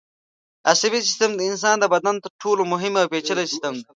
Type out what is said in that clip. عصبي سیستم د انسان د بدن تر ټولو مهم او پېچلی سیستم دی.